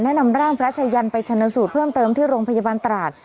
และนำร่างพระชายันไปชนสูตรเพิ่มเติมที่โรงพยาบาลตราด